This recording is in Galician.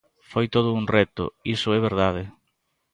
Foi todo un reto, iso é verdade.